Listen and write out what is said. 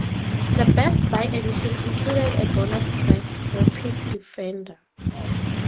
The Best Buy Edition included a bonus track, "Repeat Defender".